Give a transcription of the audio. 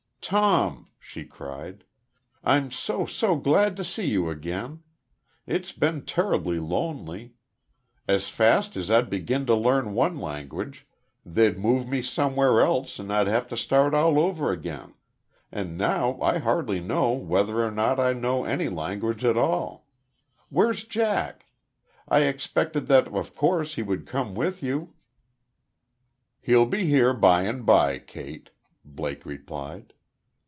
"Tom!" she cried. "I'm so, so glad to see you again. It's been terribly lonely. As fast as I'd begin to learn one language, they'd move me somewhere else and I'd have to start all over again! And now I hardly know whether or not I know any language at all! ... Where's Jack? I expected that, of course, he would come with you." "He'll be here bye and bye, Kate...." Blake replied.